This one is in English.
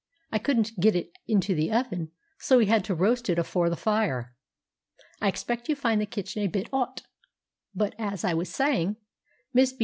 "I couldn't get it into the oven, so we had to roast it afore the fire. I expect you find the kitchen a bit 'ot. But as I was saying" (Miss B.